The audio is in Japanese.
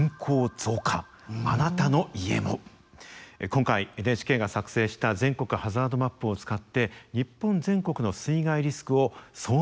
今回ＮＨＫが作成した全国ハザードマップを使って日本全国の水害リスクを総点検いたしました。